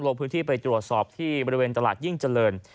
ลงพื้นที่ไปตรวจสอบที่บริเวณตลาดยิ่งเจริญ